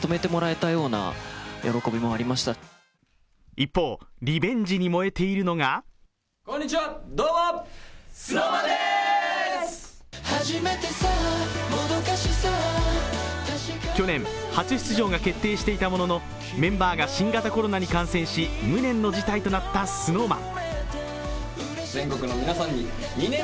一方、リベンジに燃えているのが去年、初出場が決定していたもののメンバーが新型コロナに感染し、無念の辞退となったＳｎｏｗＭａｎ。